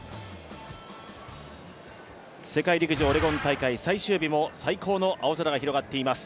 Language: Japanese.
世界陸上オレゴン大会最終日も最高の青空が広がっています。